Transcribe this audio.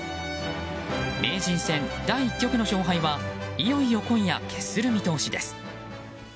名人戦第１局の勝敗はいよいよ今夜決する見通しです。